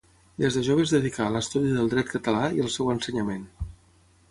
Des de jove es dedicà a l'estudi del dret català i al seu ensenyament.